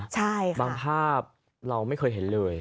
ใช่ค่ะบางภาพเราไม่เคยเห็นเลย